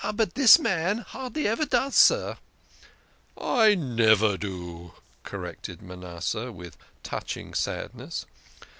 But this man hardly ever does, sir." " I never do," corrected Manasseh, with touching sadness.